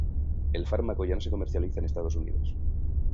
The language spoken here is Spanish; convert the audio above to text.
El fármaco ya no se comercializa en Estados Unidos.